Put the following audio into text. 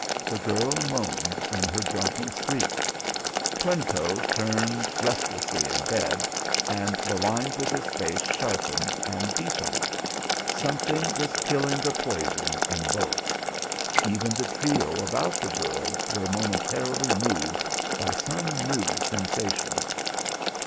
The girl moaned in her drunken sleep. Twinetoes turned restlessly in bed, and the lines of his face sharpened and deepened. Something was killing the poison in both. Even the trio about the girl were momentarily moved by some new sensation.